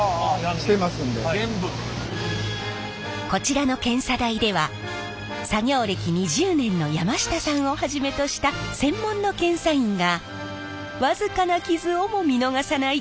こちらの検査台では作業歴２０年の山下さんをはじめとした専門の検査員が僅かな傷をも見逃さない厳しいチェックを行っています。